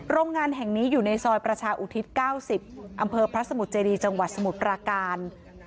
โรงงานแห่งนี้อยู่ในซอยประชาอุทิศ๙๐อำเภอพระสมุทรเจดีจังหวัดสมุทรปราการ